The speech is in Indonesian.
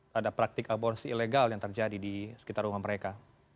terhadap praktik aborsi ilegal yang terjadi di sekitar rumah mereka